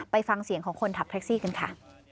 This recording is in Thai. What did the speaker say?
ไปฟังเสียงของคนขับแท็กซี่กันค่ะ